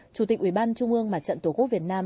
chủ tịch ủy ban trung ương mặt trận tổ quốc việt nam